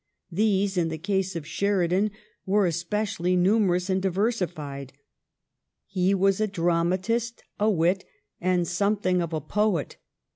These, in the case of Sheridan, were especially numerous and diversified. He was a dramatist, a wit, and something of a poet.